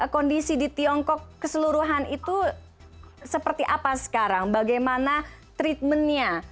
kondisi di tiongkok keseluruhan itu seperti apa sekarang bagaimana treatmentnya